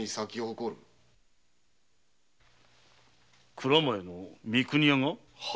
蔵前の三国屋が？